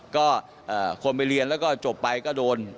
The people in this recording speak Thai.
ก็คนไปเรียนแล้วก็จบไปก็โดน